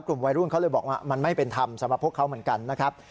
กลุ่มวัยรุ่นเขาเลยบอกว่ามันไม่เป็นธรรมสำหรับพวกเขาเหมือนกันนะครับ